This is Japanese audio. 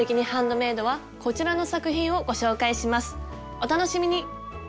お楽しみに！